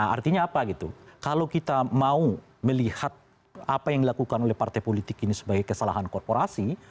artinya apa gitu kalau kita mau melihat apa yang dilakukan oleh partai politik ini sebagai kesalahan korporasi